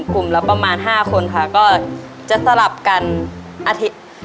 กลุ่มละประมาณ๕คนค่ะก็จะสลับกันอาทิตย์